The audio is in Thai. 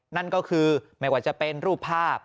นั่นก็คือไม่ว่าจะเป็นรูปภาพ